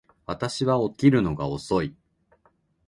私は起きるのが遅い